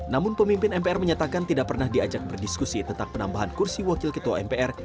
namun pemimpin mpr menyatakan tidak pernah diajak berdiskusi tentang penambahan kursi wakil ketua mpr